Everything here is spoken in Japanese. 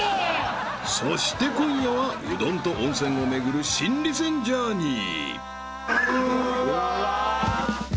［そして今夜はうどんと温泉を巡る心理戦ジャーニー］